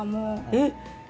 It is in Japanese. えっ！